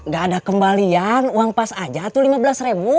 gak ada kembalian uang pas aja tuh lima belas ribu